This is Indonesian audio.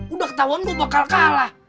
udah ketahuan udah bakal kalah